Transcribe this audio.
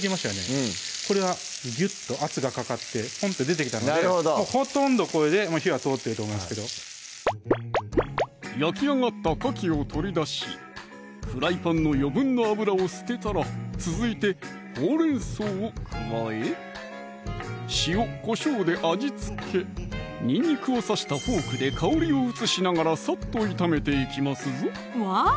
うんこれはギュッと圧がかかってポンと出てきたのでほとんどこれで火が通ってると思いますけど焼き上がったかきを取り出しフライパンの余分な油を捨てたら続いてほうれん草を加え塩・こしょうで味付けにんにくを刺したフォークで香りを移しながらサッと炒めていきますぞワォ！